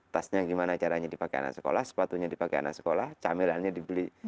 tasnya gimana caranya dipakai anak sekolah sepatunya dipakai anak sekolah camilannya dibeli